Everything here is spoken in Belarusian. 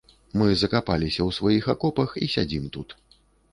Мы закапаліся ў сваіх акопах і сядзім тут.